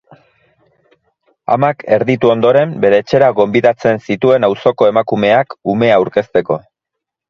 Amak, erditu ondoren, bere etxera gonbidatzen zituen auzoko emakumeak umea aurkezteko.